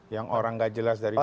yang orang gak jelas dari situ